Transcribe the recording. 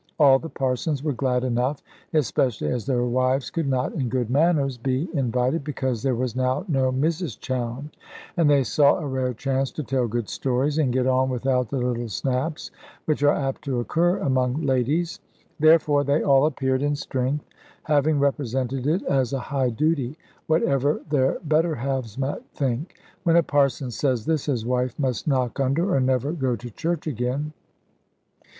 All the parsons were glad enough, especially as their wives could not, in good manners, be invited, because there was now no Mrs Chowne. And they saw a rare chance to tell good stories, and get on without the little snaps which are apt to occur among ladies. Therefore they all appeared in strength, having represented it as a high duty, whatever their better halves might think. When a parson says this, his wife must knock under, or never go to church again.